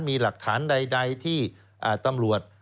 มีหลักฐานใดที่ตำรวจ